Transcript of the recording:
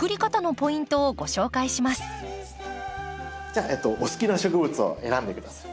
じゃあお好きな植物を選んで下さい。